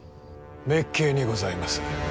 滅敬にございます。